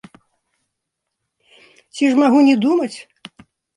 Ці ж магу не думаць?